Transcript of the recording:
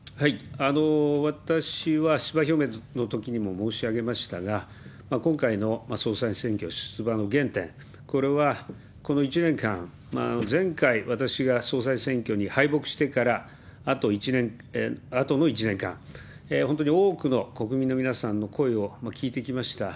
私は出馬表明のときにも申し上げましたが、今回の総裁選挙出馬の原点、これはこの１年間、前回、私が総裁選挙に敗北してからあとの１年間、本当に多くの国民の皆さんの声を聞いてきました。